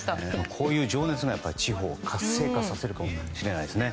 こういう情熱が地方を活性化させるかもしれないですね。